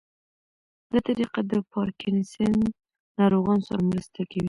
دا طریقه د پارکینسن ناروغانو سره مرسته کوي.